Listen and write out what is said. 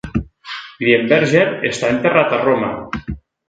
Grienberger està enterrat a Roma.